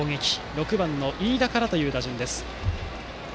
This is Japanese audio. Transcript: ６番の飯田からという打順です。